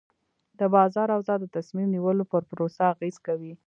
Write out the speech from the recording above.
د بازار اوضاع د تصمیم نیولو پر پروسه اغېز کوي.